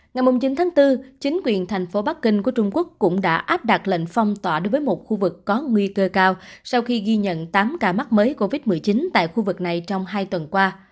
ngày chín tháng bốn chính quyền thành phố bắc kinh của trung quốc cũng đã áp đặt lệnh phong tỏa đối với một khu vực có nguy cơ cao sau khi ghi nhận tám ca mắc mới covid một mươi chín tại khu vực này trong hai tuần qua